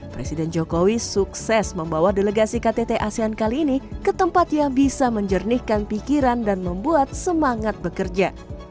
presiden jokowi sukses membawa delegasi ktt asean kali ini ke tempat yang bisa menjernihkan pikiran dan membuat semangat bekerja